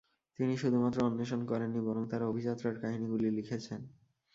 তিনি শুধুমাত্র অন্বেষণ করেন নি বরং তার অভিযাত্রার কাহিনীগুলো লিখেছেন।